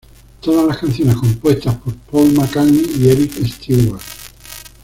Todas las canciones compuestas por Paul McCartney y Eric Stewart.